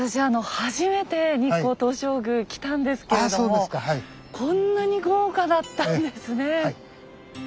初めて日光東照宮来たんですけれどもこんなに豪華だったんですね。